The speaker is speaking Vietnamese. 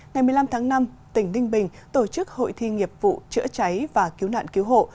ngày một mươi năm tháng năm tỉnh ninh bình tổ chức hội thi nghiệp vụ chữa cháy và cứu nạn cứu hộ